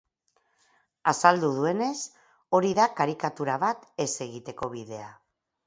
Azaldu duenez, hori da karikatura bat ez egiteko bidea.